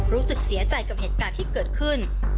รู้สึกเสียใจกับเหตุการณ์ที่เกิดขึ้น